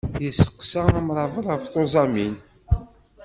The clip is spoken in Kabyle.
Yestaqsa amṛabeḍ ɣef tuẓamin.